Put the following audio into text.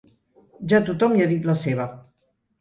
Ja tothom hi ha dit la seva.